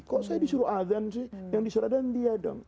kok saya disuruh azan sih yang disuruh adan dia dong